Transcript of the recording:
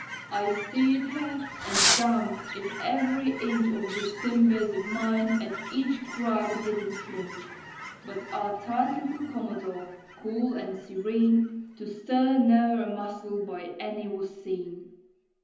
"I steer'd her and damme if every inch Of these timbers of mine at each crack didn't flinch: But our tight little commodore, cool and serene, To stir ne'er a muscle by any was seen.